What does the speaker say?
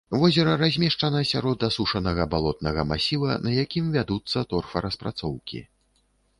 Возера размешчана сярод асушанага балотнага масіва, на якім вядуцца торфараспрацоўкі.